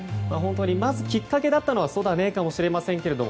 まず、きっかけだったのはそだねーかもしれませんが。